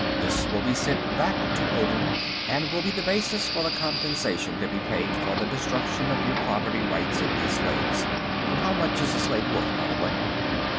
This will be sent back to Odin, and will be the basis for the compensation to be paid for the destruction of your property rights in these slaves. How much is a slave worth, by the way?"